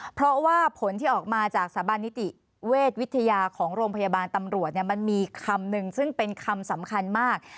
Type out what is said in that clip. เพราะว่าผลที่ออกมาจากสถาบันนิติเวชวิทยาของโรงพยาบาลตำรวจมันมีคำหนึ่งซึ่งเป็นคำสำคัญมาก